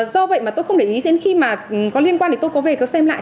do vậy mà tôi không để ý đến khi có liên quan thì tôi có về xem lại